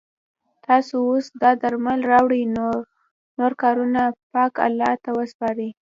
تاسو اوس دا درمل راوړئ نور کارونه پاک الله ته وسپاره.